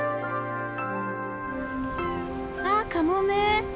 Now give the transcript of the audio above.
あっカモメ！